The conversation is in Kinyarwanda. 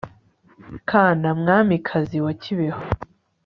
kana, mwamikazi wa kibeho